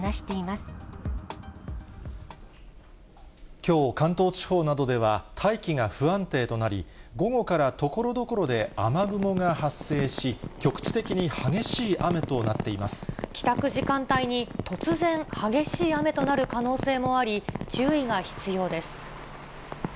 きょう、関東地方などでは大気が不安定となり、午後からところどころで雨雲が発生し、帰宅時間帯に突然、激しい雨となる可能性もあり、注意が必要です。